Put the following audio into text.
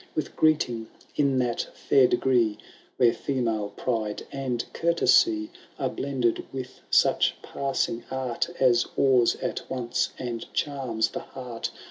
With greeting in that &ir degree. Where female pride and courtesy Are blended with such passing art As awes at once and charms the heart.